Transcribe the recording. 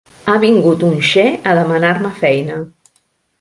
Ha vingut un xe a demanar-me feina.